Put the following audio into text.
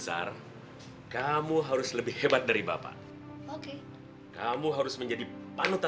apabila saya mendidik anak